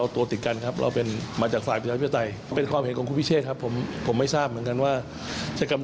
ต้องการ๖๔เสียงใช่ไหม